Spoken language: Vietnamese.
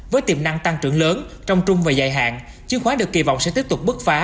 với tiềm năng tăng trưởng lớn trong trung và dài hạn chứng khoán được kỳ vọng sẽ tiếp tục bước phá